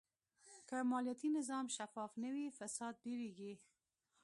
که مالیاتي نظام شفاف نه وي، فساد ډېرېږي.